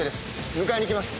迎えに行きます。